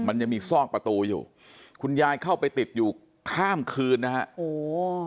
มันยังมีซอกประตูอยู่คุณยายเข้าไปติดอยู่ข้ามคืนนะฮะโอ้โห